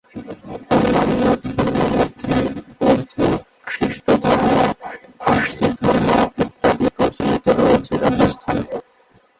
অন্যান্য ধর্ম মধ্যে বৌদ্ধ, খ্রিষ্টধর্ম, পারসি ধর্ম ইত্যাদি প্রচলিত রয়েছে রাজস্থানে।